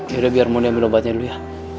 yaudah biar om ambil obatnya dulu ya